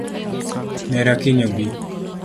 Nera kiny obi